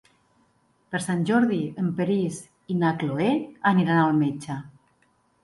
Per Sant Jordi en Peris i na Cloè aniran al metge.